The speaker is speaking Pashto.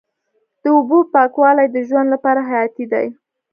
د اوبو پاکوالی د ژوند لپاره حیاتي دی.